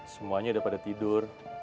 semuanya udah pada tidur